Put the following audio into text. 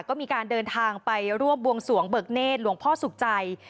ก็มีการเดินทางไปร่วมบวงสวงเบิกเนธหลวงพ่อสุขใจ